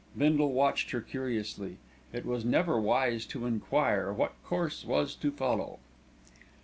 Bindle watched her curiously; it was never wise to enquire what course was to follow.